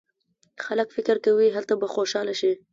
خلک فکر کوي هلته به خوشاله شي.